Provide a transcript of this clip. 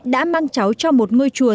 đã mang cháu cho một ngôi chùa